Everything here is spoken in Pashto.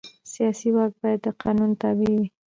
سیاسي واک باید د قانون تابع وي